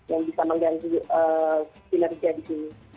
yang bisa mengganti kinerja di sini